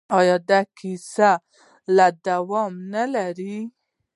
آیا دا کیسه لا دوام نلري؟